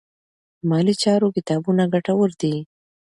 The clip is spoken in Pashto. د مالي چارو کتابونه ګټور دي.